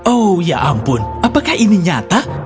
oh ya ampun apakah ini nyata